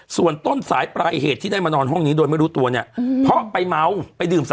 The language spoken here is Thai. ส่วนต้นสายปลายเหตุที่ได้มานอนห้องนี้โดยไม่รู้ตัวเนี้ยอืม